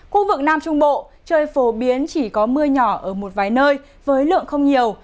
khu vực nam trung bộ trời phổ biến chỉ có mưa nhỏ ở một vài nơi với lượng không nhiều